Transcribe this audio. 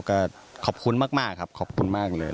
ก็ขอบคุณมากครับขอบคุณมากเลย